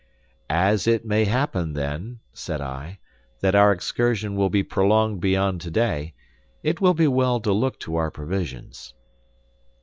"As it may happen, then," said I, "that our excursion will be prolonged beyond today, it will be well to look to our provisions."